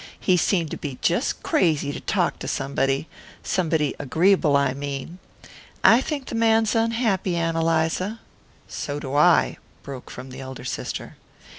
"He seemed to be just crazy to talk to somebody somebody agreeable, I mean. I think the man's unhappy, Ann Eliza." "So do I," broke from the elder sister.